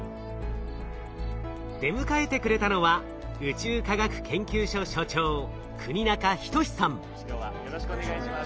出迎えてくれたのは今日はよろしくお願いします。